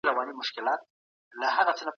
حکومت نړیوالي ټولني ته ژمني ورکړې وې.